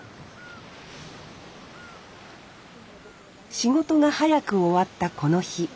仕事が早く終わったこの日。